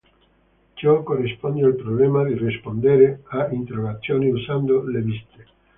Ciò corrisponde al problema di rispondere a interrogazioni usando le viste.